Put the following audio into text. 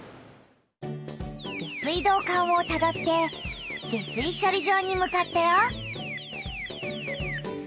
下水道管をたどって下水しょり場にむかったよ。